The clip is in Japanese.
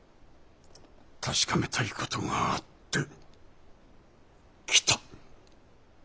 確かめたいことがあって来た。